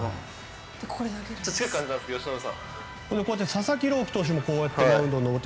佐々木朗希投手もこうやってマウンドに登って。